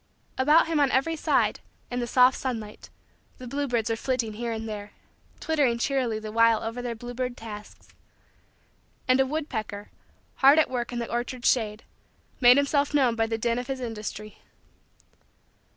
About him on every side, in the soft sunlight, the bluebirds were flitting here and there, twittering cheerily the while over their bluebird tasks. And a woodpecker, hard at work in the orchard shade, made himself known by the din of his industry.